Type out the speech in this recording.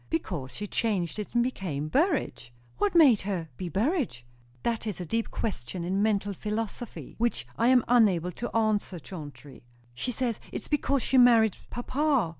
"Because she changed it and became Burrage." "What made her be Burrage?" "That is a deep question in mental philosophy, which I am unable to answer, Chauncey." "She says, it's because she married papa."